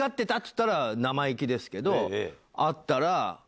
言ったら生意気ですけど会ったら。